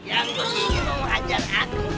yang jodoh ini mau hajar aku